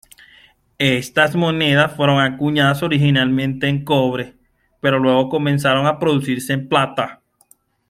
Estas monedas fueron acuñadas originalmente en cobre, pero luego comenzaron a producirse en plata.